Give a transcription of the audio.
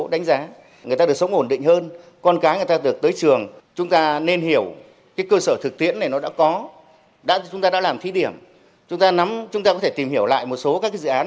điều tiễn này nó đã có chúng ta đã làm thí điểm chúng ta có thể tìm hiểu lại một số các dự án